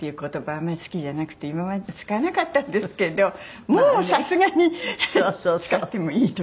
あんまり好きじゃなくて今まで使わなかったんですけどもうさすがに使ってもいい年になっちゃいましたね。